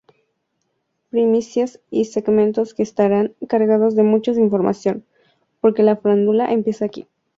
Primicias y segmentos que estarán cargados de mucha información, porque la farándula empieza aquí.